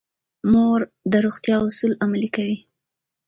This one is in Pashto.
مور د روغتیا اصول عملي کوي.